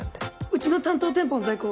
うちの担当店舗の在庫